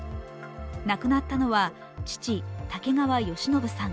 亡くなったのは父・竹川好信さん